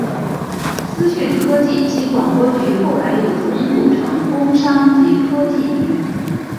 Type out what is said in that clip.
资讯科技及广播局后来又重组成工商及科技局。